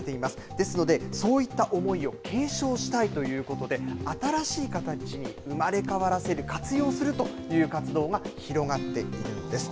ですので、そういった思いを継承したいということで新しい形に生まれ変わらせる活用するという活動が広がっているんです。